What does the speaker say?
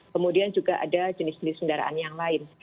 kemudian juga ada jenis jenis kendaraan yang lain